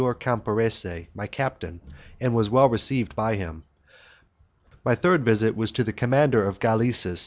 Camporese, my captain, and was well received by him. My third visit was to the commander of galleases, M.